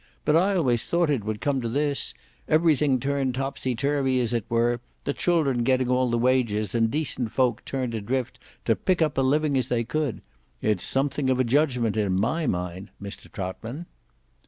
But I always thought it would come to this; everything turned topsy turvy as it were, the children getting all the wages, and decent folk turned adrift to pick up a living as they could. It's something of a judgment in my mind, Mr Trotman."